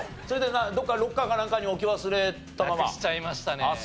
それでどこかロッカーかなんかに置き忘れたまま？なくしちゃいましたね。